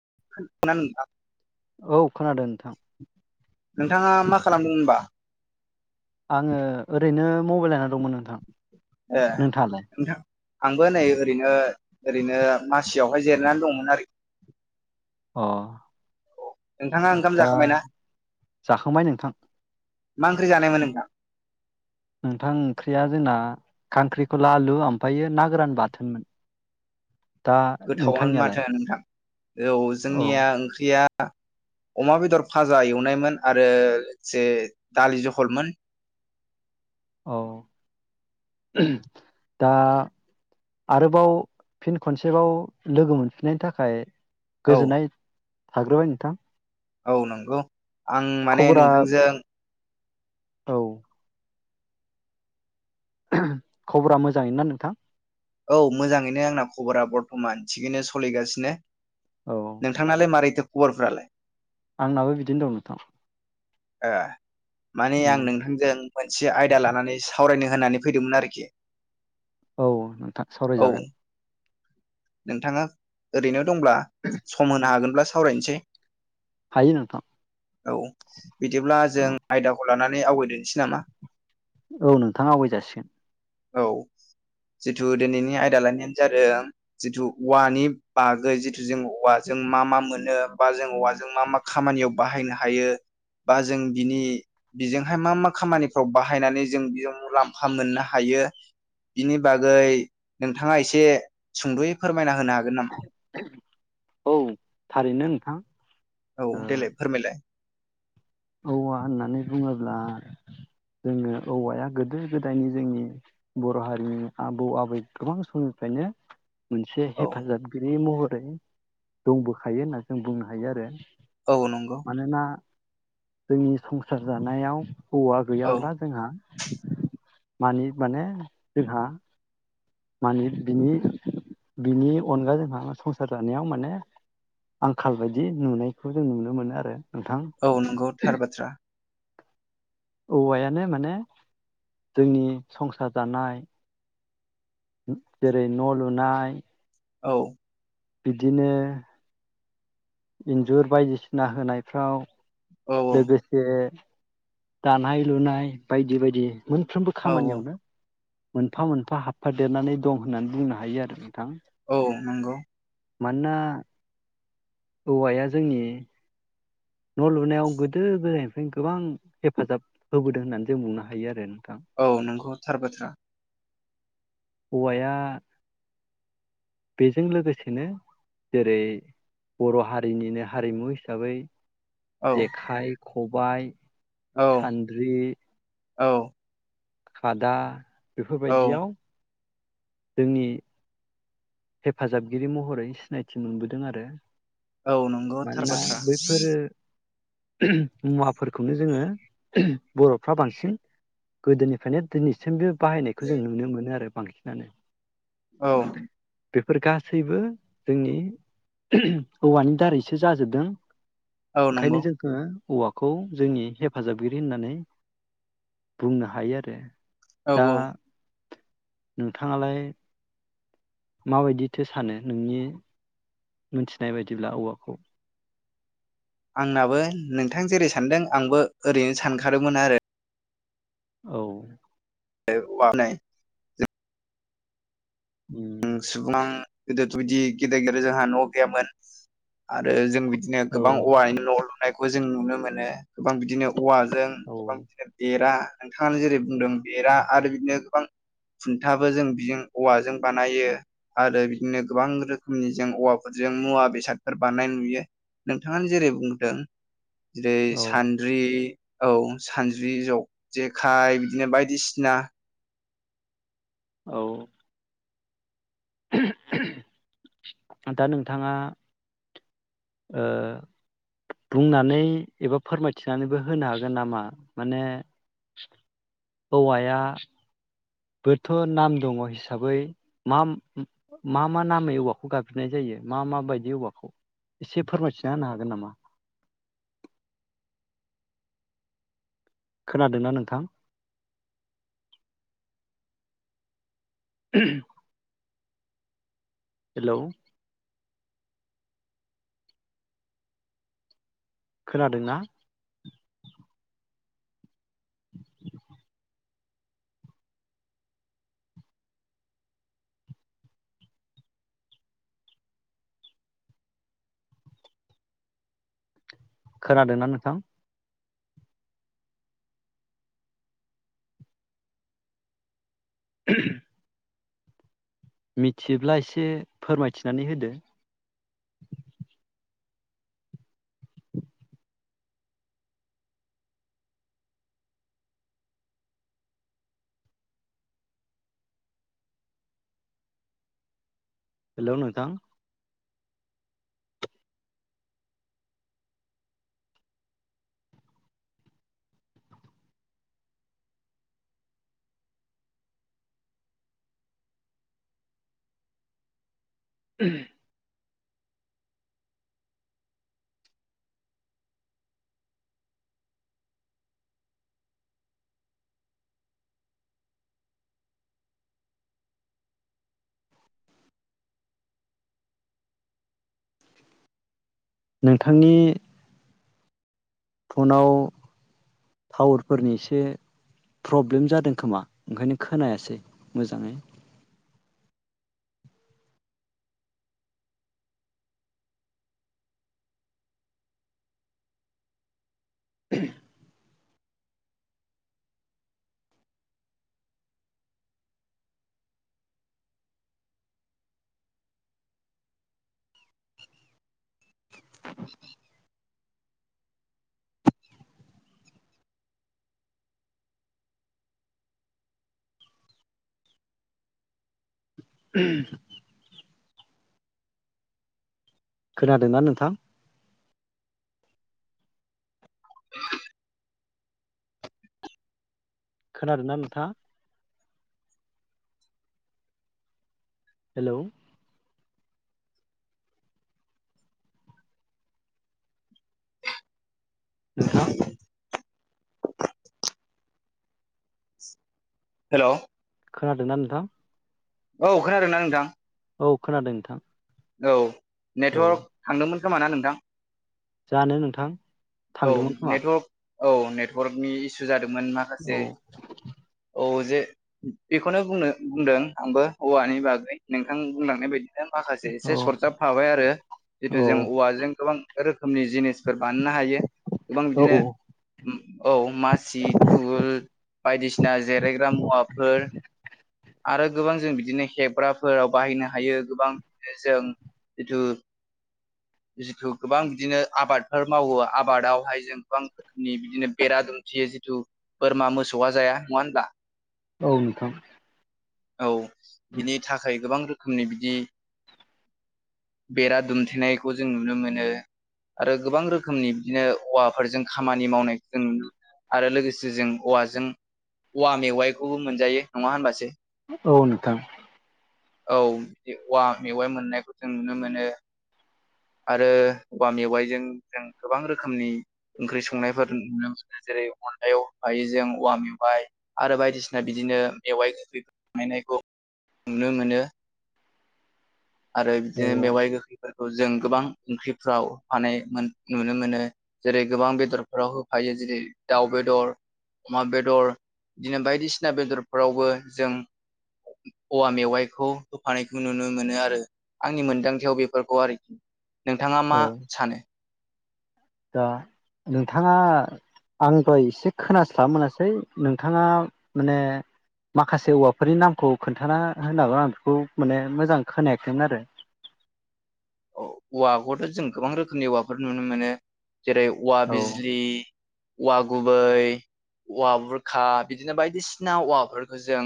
[unintelligible] औ खोनादों नोंथां। नोंथाङा मा खालामदों होनबा? आङो ओरैनो मबाइल नायना दंमोन नोंथां ए नोंथाङालाय नोंथां आंबो नै ओरैनो ओरैनो मासियावहाय जिरायनानै दंमोन आरो। अ नोंथाङा ओंखाम दा जाखाबायना जाखांबाय नोंथां मा ओंख्रि जानायमोन नोंथां नोंथां ओंख्रिया जोंना खांख्रिखला आलु ओमफायो ना गोरान बाथोनमोन दा गोथावानो नोंथांनियालाय माथो नोंथां औ जोंनिया ओंख्रिया अमा बेदर फाजा एवनायमोन आरो लोगोसे दालि जहलमोन औ दा आरोबाव फिन खनसेबाव लोगो मोनफिननायनि थाखाय औ गोजोननाय थाग्रोबाय नोंथां औ नंगौ आं माने खबरा नोंथांजों औ खबरा मोजाङैनो ना नोंथां औ मोजाङैनो आंना खबरा बरथ'मान थिगैनो सोलिगासिनो औ नोंथांनालाय मारैथो खबर फोरालाय आंनाबो बिदिनो दं नोथां ए माने आं नोंथांजों मोनसे आयदा लानानै सावरायनो होनानै फैदोंमोन आरोखि औ नोंथां औ सावरायजागोन नोंथाङा ओरैनो दंब्ला सम होनो हागोनब्ला सावरायनोसै हायो नोंथां औ बिदिब्ला जों औ आयदाखौ लानानै आवगायदोनोसै नामा औ नोंथां आवगाय जासिगोन औ जिथु दिनैनि आयदा लानायानो जादों जिथु औवानि बागै जिथु जों औवाजों मा मा मोनो बा जों औवाजों मा मा खामानियाव बाहायनो हायो बा जों बिनि बेजोंहाय मा मा खामानिफ्राव बाहायनानै जों बेयाव मुलाम्फा मोननो हायो बिनि बागै नोंथाङा एसे सुंद'यै फोरमायना होनो हागोन नामा औ थारैनो नोंथां औ देलाय ओ फोरमायलाय औवा होननानै बुङोब्ला जोङो औवाया गोदो गोदायनि जोंनि बर' हारिनि आबौ आबै गोबां समनिफ्रायनो मोनसे औ हेफाजाबगिरि महरै दंबोखायो होनना जों बुंनो हायो आरो औ नंगौ मानोना जोंनि संसार जानायाव हौवा औ गैयाब्ला जोंहा मानि माने जोंहा मानि बिनि बिनि अनगा जोंहा संसार जानायाव माने आंखाल बायदि नुनायखौ जों नुनो मोनो आरो नोंथां औ नंगौ थार बाथ्रा औवायानो माने जोंनि संसार जानाय जेरै न' लुनाय औ बिदिनो इन्जुर बायदिसिना होनायफ्राव औ लोगोसे दानाय लुनाय बायदि बायदि मोनफ्रोमबो औ खामानियावनो मोनफा मोनफा हाबफा देरनानै दं होननानै बुंनो हायो आरो नोंथां औ नंगौ मानोना औवाया जोंनि न' लुनायाव गोदो गोदायनिफ्रायनो गोबां हेफाजाब होबोदों होननानै जों बुंनो हायो आरो नोंथां औ नंगौ थार बाथ्रा औवाया बेजों लोगोसेनो जेरै बर' हारिनिनो हारिमु हिसाबै औ जेखाय खब बाय औ सानद्रि औ खादा औ बेफोरबायदियाव जोंनि हेफाजाबगिरि महरै सिनायथि मोनबोदों आरो औ नंगौ मानोना थारबाथ्रा बैफोरो मुवाफोरखौनो जोङो बर'फ्रा बांसिन गोदोनिफ्रायनो दिनैसिम बे बाहायनायखौ जों नुनो मोनो आरो बांसिनानो औ बेफोर गासैबो जोंनि ओम औवानि दारैसो जाजोबदों औ नंगौ ओंखायनो जोंखो औवाखौ जोंनि हेफाजाबगिरि होननानै बुंनो हायो आरो औ दा औ नोंथाङालाय माबायदिथो सानो नोंनि मोनथिनाय बायदिब्ला औवाखौ आंनाबो नोंथां जेरै सानदों आंबो ओरैनो सानखादोंमोन आरो औ [inaudible] उम ओम सुबुं गोदोथ बिदि [unintelligible] न' गैयामोन। आरो जों बिदिनो औ गोबां औवानि न' लुनायखौ जों नुनो मोनो गोबां बिदिनो औवाजों औ गोबां [unintelligible] देरा नोंथाङानो जेरै बुंदों बेरा आरो बिदिनो गोबां खुन्थाबो जों बिजों औवाजों बानाय बानायो आरो बिदिनो गोबां रोखोमनि जों औवाफोरजों मुवा बेसादफोर बानायनाय नुयो नोंथाङानो जेरै बुंदों जेरै औ सान्द्रि औ सानज्रि जग-जेखाइ बिदिनो बायदिसिना औ दा नोंथाङा ओ बुंनानै एबा फोरमायथिनानैबो होनो हागोन नामा माने औवाया बोथ' नाम दङ हिसाबै मा मा मा नामै औवाखौ गाबज्रिनाय जायो मा माबायदि औवाखौ एसे फोरमायथिना होनो हागोन नामा? खोनादोंना नोंथां? [inaudible] हेलौ खोनादोंना [inaudible] खोनादोंना नोंथां? [inaudible] मिथियोब्ला एसे फोरमायथिनानै होदो। हेलौ नोंथां [inaudible] नोंथांनि फनाव टावारफोरनि इसे प्रब्लेम जादों खोमा ओंखायनो खोनायासै मोजाङै [inaudible] [inaudible] खोनादोंना नोंथां? [inaudible] खोनादों ना नोंथां? हेलौ नोंथां हेलौ खोनादोंना नोंथां? औ खोनादों ना नोंथां? औ खोनादों नोंथां। औ औ नेटवर्क थांदोंमोन खोमाना नोंथां? जानो नोंथां औ थांदोंमोन खोमा नेटवर्क औ नेटवार्कनि इसु जादों मोन माखासे औ औ जे बेखौनो बुंनो बुंदों आंबो औवानि बागै नोंथां बुंलांनाय बाय आरो माखासे एसे औ सरजाबफाबाय आरो जितु औ जों औवाजों गोबां रोखोमनि जिनिसफोर बानायनो हायो। गोबां औ बिदिनो औ मासि थुल बायदिसिना जिरायग्रा मुवाफोर आरो गोबां जों बिदिनो हेग्राफोराव बाहायनो हायो गोबां बिदिनो जों जिथु जिथु गोबां बिदिनो आबादफो मावो आबादावहाय जों गोबां रोखोमनि बेरा दुमथेयो जिथु बोरमा मोसौआ जाया नङा होमब्ला? औ नोंथां। औ। बिनि थाखाय गोबां रो रोखोमनि बिदि बेरा दुमथेनायखौ जों नुनो मोनो आरो गोबां रोखोमनि बिदिनो औवाफोरजों खामानि मावनायखौ जों आरो लोगोसे जों औवाजों औवा मेवाइखौबो मोनजायो नङा होनबासो औ नोथां। औ बि औवा मेवाइ मोननायखौ जों नुनो मोनो आरो औवा मेवाइजों जों गोबां रोखोमनि ओंख्रि संनायफोर नुनो मोनो जेरै अनलायाव हाय जों औवा मेवाइ आरो बायदिसिना बिदिनो मेवाइ गोखै खायनायखौ नुनो मोनो। आरो बिदिनो औ मेवाइ गोखै जों गोबां ओंख्रिफ्राव होफानाय नुनो मोनो जेरै गोबां बेदरफोराव होफायो जेरै दाउ बेदर अमा बेदर बिदिनो बायदिसिना बेदरफोरावबो जों औवा मेवाइखौ होफानायखौ नुनो मोनो आरो आंनि मोनदांथियाव बेफोरखौ आरोखि नोंथाङा मा औ सानो? दा नोंथाङा आंबो एसे खोनास्लाब मोनासै नोंथाङा माने माखासे औवाफोरनि नामखौ खोन्थाना होनांगोन आं बेखौ माने मोजां खोनायाखैमोन आरो औ औवाखौथ' जों गोबां रोखोमनि औवाफोर नुनो मोनो। जेरै औवा आरो बिजलि औवा गुबै औवा बुरखा बिदिनो बायदिसिना औवाफोरखौ जों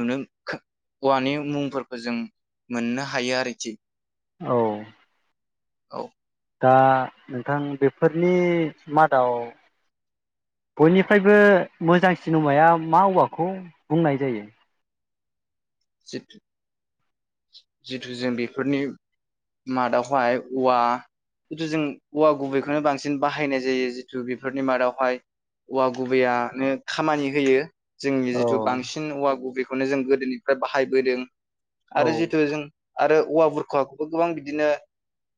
नुनो औवानि मुंफोरखौ जों मोननो हायो आरो थि औ। औ। दा नोंथां बेफोरनि मादाव बयनिफ्रायबो मोजां सिनेमाया मा औवाखौ बुंनाय जायो? जितु जितु जों बेफोरनि मादावहाय औवा जितु जों औवा गुबैखौनो बांसिन बाहायनाय जायो जिथु बेफोरनि मादावहाय औवा गुबैयानो खामानि होयो। जोंनि औ जिथु बांसिन औवा बे बेखौनो जों गोदोनि ओमफ्राय बाहायबोदों। औ आरो जितु जों आरो औवा बुरखाखौबो गोबां बिदिनो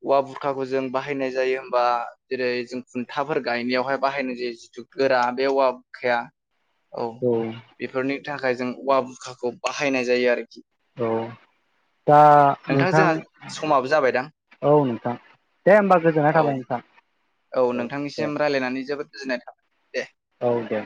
औवा बुरखाखौ जों बाहायनाय जायो हबा जेरै जों खुन्थाफोर गायनायावहाय बाहायनाय जायो जिथु गोरा बे औवा बुरखाया औ। नि थाखाय जों औवा बुखाखौ बाहायनाय जायो आरोखि। औ दा नोंथां जोंहा समाबो जाबायदां औ नोंथां दे होमबा गोजोननाय औ थाबाय नोंथां। औ नोंथांनिसिम रायज्लायनानै जोबोद जुजिनाय थाबाय दे। औ दे।